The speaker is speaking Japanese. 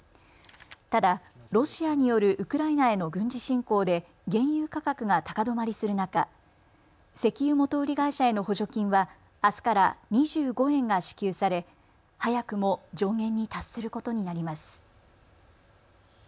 ただ、ロシアによるウクライナへの軍事侵攻で原油価格が高止まりする中、石油元売り会社への補助金はあすから２５円が支給され早くも上限に達することになります。